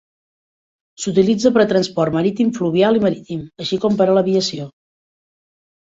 S'utilitza per a transport marítim fluvial i marítim, així com per a l'aviació.